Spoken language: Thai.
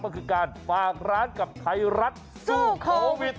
ก็คือการฝากร้านกับไทยรัฐสู้โควิด